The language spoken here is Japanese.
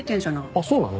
あっそうなの？